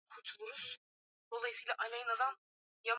Mwingine mashuhuri zaidi ni Mwande akifahamika kama mwenye